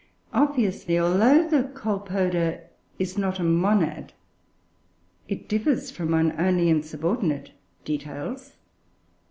Obviously, although the Colpoda is not a monad, it differs from one only in subordinate details.